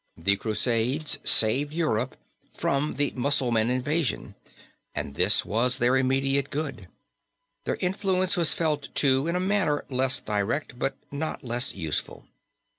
"The Crusades saved Europe from the Mussulman invasion and this was their immediate good. Their influence was felt, too, in a manner less direct, but not less useful.